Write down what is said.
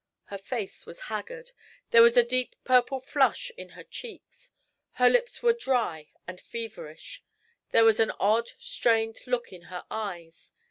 Her face was haggard, there was a deep purple flush in her cheeks; her lips were dry and feverish, there was an odd, strained look in her eyes.